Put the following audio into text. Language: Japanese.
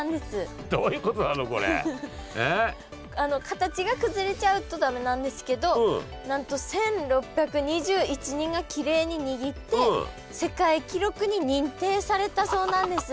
形が崩れちゃうと駄目なんですけどなんと１，６２１人がきれいににぎって世界記録に認定されたそうなんです。